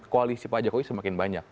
koalisi pak jokowi semakin banyak